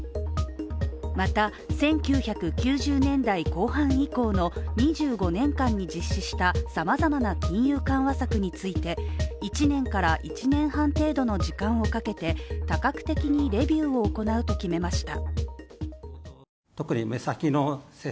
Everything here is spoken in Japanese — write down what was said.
また、１９９０年代後半以降の２５年間に実施したさまざまな金融緩和策について１年から１年半程度の時間をかけて多角的にレビューを行うと決めました。